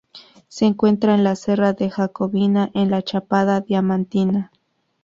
Se encuentra en la Serra de Jacobina en la Chapada Diamantina.